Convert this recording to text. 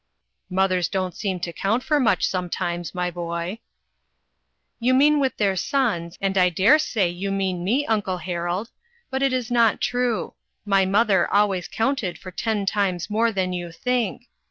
" Mothers don't seem to count for much sometimes, my boy." "You mean with their sons, and I dare say you mean me, Uncle Harold; but it is DANGERS SEEN AND UNSEEN. 389 not true. My mother always counted for ten times more than you think.